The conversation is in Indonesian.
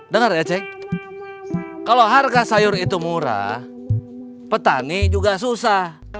dengar ecek kalau harga sayur itu murah petani juga susah